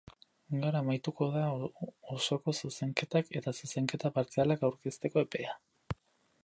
Gaur amaituko da osoko zuzenketak eta zuzenketa partzialak aurkezteko epea.